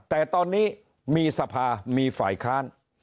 แต่ตอนนี้มีสภามีฝ่ายค้าน